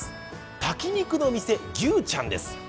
炊き肉牛ちゃんです。